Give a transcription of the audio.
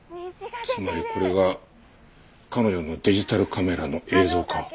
つまりこれが彼女のデジタルカメラの映像か。